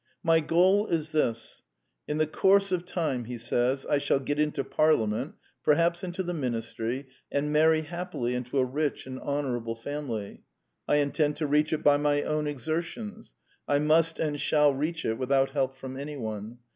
^^ My goal is this : in the course of time I shall get into Parliament, perhaps into the Ministry, and marry happily into a rich and honorable family. I intend to reach it by my own exertions. I must and shall reach it without help from anyone.